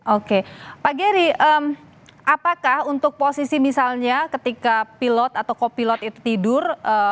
oke pak geri apakah untuk posisi misalnya ketika pilot atau kopilot itu tidur